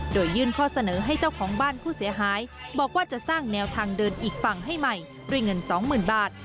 โดยยื่นข้อเสนอให้เจ้าของบ้านผู้เสียหายบอกว่าจะสร้างแนวทางเดินอีกฝั่งให้ใหม่ด้วยเงิน๒๐๐๐บาท